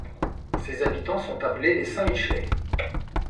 Ses habitants sont appelés les Saint-Michelais.